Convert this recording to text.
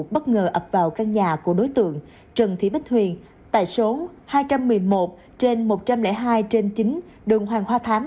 bất ngờ ập vào căn nhà của đối tượng trần thị bích huyền tại số hai trăm một mươi một trên một trăm linh hai trên chín đường hoàng hoa thám